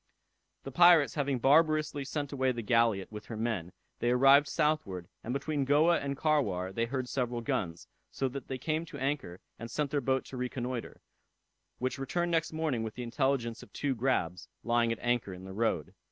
The pirates having barbarously sent away the galliot with her men, they arrived southward, and between Goa and Carwar they heard several guns, so that they came to anchor, and sent their boat to reconnoitre, which returned next morning with the intelligence of two grabs, lying at anchor in the road.